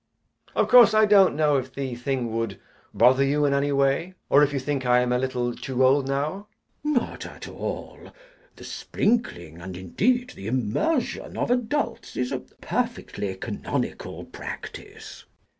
Of course I don't know if the thing would bother you in any way, or if you think I am a little too old now. CHASUBLE. Not at all. The sprinkling, and, indeed, the immersion of adults is a perfectly canonical practice.